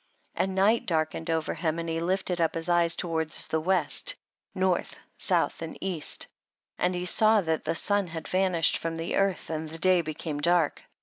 16. And night darkened over him, and he lifted up his eyes toward the west, north, south and east, and he saw that the sun had vanished from the earth, and the day became dark.